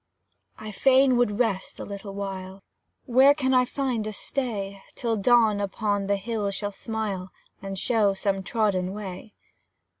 I fain would rest a little while: Where can I find a stay, Till dawn upon the hills shall smile, And show some trodden way?